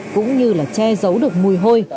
cũng như là che giấu được mùi hôi